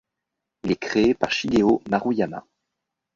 Il est créé par Shigeo Maruyama.